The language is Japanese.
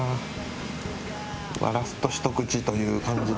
ラスト一口という感じで。